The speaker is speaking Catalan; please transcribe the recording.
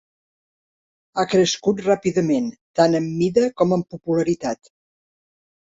Ha crescut ràpidament, tant en mida com en popularitat.